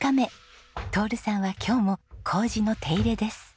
徹さんは今日も糀の手入れです。